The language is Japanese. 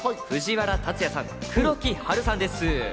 藤原竜也さん、黒木華さんです。